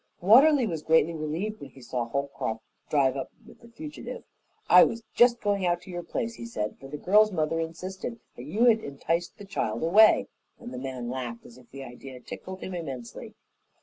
Watterly was greatly relieved when he saw Holcroft drive up with the fugitive. "I was just going out to your place," he said, "for the girl's mother insisted that you had enticed the child away," and the man laughed, as if the idea tickled him immensely.